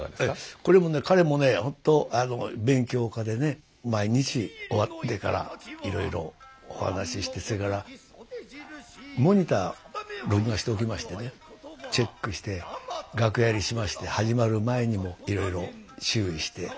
これもね彼もね本当勉強家でね毎日終わってからいろいろお話ししてそれからモニター録画しておきましてねチェックして楽屋入りしまして始まる前にもいろいろ注意して。